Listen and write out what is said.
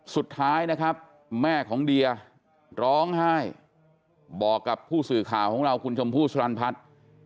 สุดท้ายนะครับแม่ของเดียร้องไห้บอกกับผู้สื่อข่าวของเราคุณชมพู่สรรพัฒน์